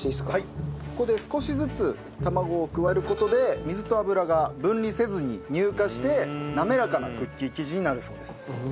ここで少しずつ卵を加える事で水と油が分離せずに乳化して滑らかなクッキー生地になるそうです。